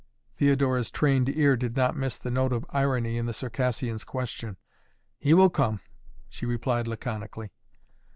Theodora's trained ear did not miss the note of irony in the Circassian's question. "He will come!" she replied laconically.